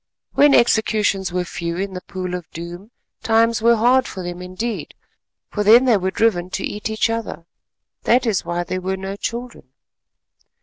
When executions were few in the Pool of Doom, times were hard for them indeed—for then they were driven to eat each other. That is why there were no children.